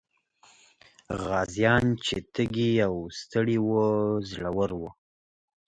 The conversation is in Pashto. غازيان چې تږي او ستړي وو، زړور وو.